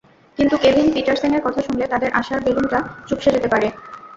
কিন্তু কেভিন পিটারসেনের কথা শুনলে তাদের আশার বেলুনটা চুপসে যেতে পারে।